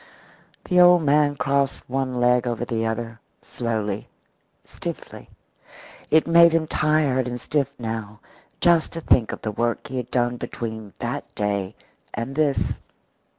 The old man crossed one leg over the other slowly, stiffly. It made him tired and stiff now just to think of the work he had done between that day and this.